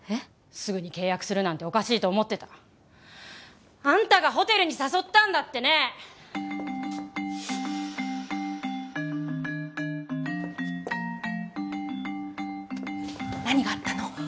すぐに契約するなんておかしいと思ってたあんたがホテルに誘ったんだってね何があったの？